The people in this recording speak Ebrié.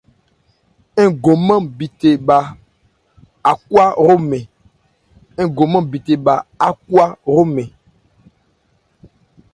Ngomán bithe bha ákwa hromɛn.